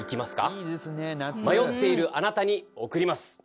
迷っているあなたに贈ります。